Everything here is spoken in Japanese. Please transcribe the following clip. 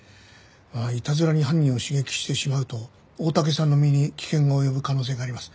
いたずらに犯人を刺激してしまうと大竹さんの身に危険が及ぶ可能性があります。